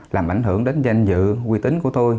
làm ảnh hưởng đến danh dự uy tín của tôi